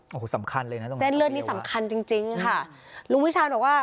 โอ้โหสำคัญเลยนะตรงนั้นทางพิเศษวะอ๋อสำคัญจริงค่ะลุงวิชาวบอกว่า